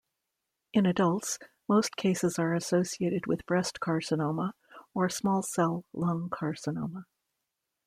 In adults, most cases are associated with breast carcinoma or small-cell lung carcinoma.